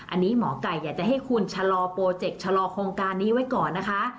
อันนี้หมอไก่อยากจะให้คุณชะลอโปรเจกต์ชะลอโครงการนี้ไว้ก่อนนะคะ